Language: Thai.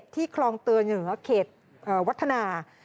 ที่คลองเตอร์เหนือเขตวัฒนา